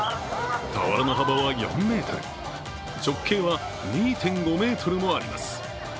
俵の幅は４ｍ直径は２．５ｍもあります。